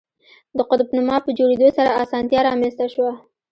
د قطب نما په جوړېدو سره اسانتیا رامنځته شوه.